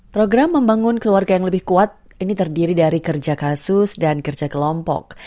program membangun keluarga yang lebih kuat ini terdiri dari kerja kasus dan kerja kelompok